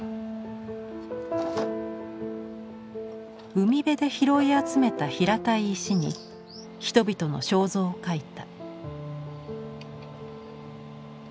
海辺で拾い集めた平たい石に人々の肖像を描いた。